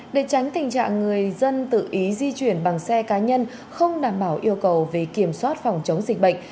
để tránh tình trạng người dân tự ý di chuyển bằng xe cá nhân không đảm bảo yêu cầu về kiểm soát phòng chống dịch bệnh